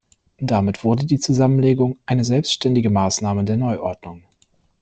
Damit wurde die Zusammenlegung eine selbständige Maßnahme der Neuordnung.